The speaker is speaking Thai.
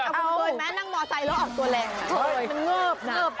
แม้นั่งมอเตอร์ไซด์แล้วออกตัวแรง